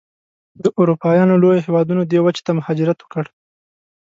د اروپایانو لویو هېوادونو دې وچې ته مهاجرت وکړ.